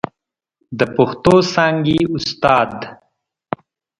د پښتو څانګې استاد